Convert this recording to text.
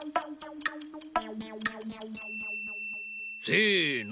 せの。